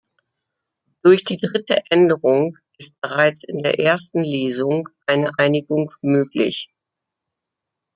Durch die dritte Änderung ist bereits in der ersten Lesung eine Einigung möglich.